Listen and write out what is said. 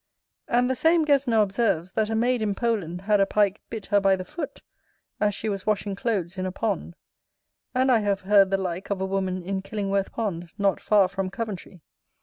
And the same Gesner observes, that a maid in Poland had a Pike bit her by the foot, as she was washing clothes in a pond. And I have heard the like of a woman in Killingworth pond, not far from Coventry.